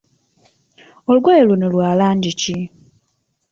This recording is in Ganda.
Olugoye luno lwa langi ki?